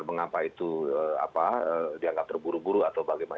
mengapa itu dianggap terburu buru atau bagaimana